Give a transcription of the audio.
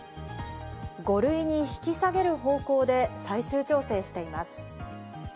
５類に引き下げる方向で最終調整しています。